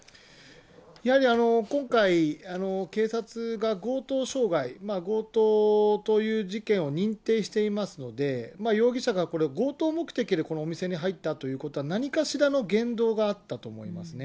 やはり、今回、警察が強盗傷害、強盗という事件を認定していますので、容疑者がこれ、強盗目的でこのお店に入ったということは、何かしらの言動があったと思いますね。